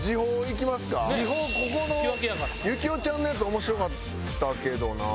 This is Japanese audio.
行雄ちゃんのやつ面白かったけどな。